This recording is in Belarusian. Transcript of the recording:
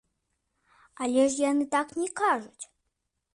Але яны ж так не кажуць.